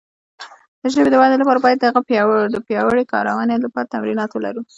د ژبې د وده لپاره باید د هغه د پیاوړې کارونې لپاره تمرینات ولرو.